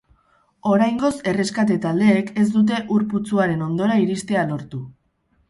Oraingoz erreskate taldeek ez dute ur putzuaren hondora iristea lortu.